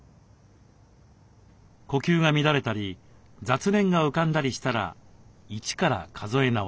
呼吸が乱れたり雑念が浮かんだりしたら一から数え直します。